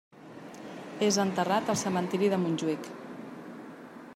És enterrat al Cementiri de Montjuïc.